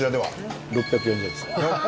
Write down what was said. ６４０円です。